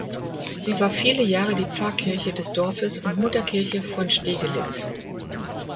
Sie war viele Jahre die Pfarrkirche des Dorfes und Mutterkirche von Stegelitz.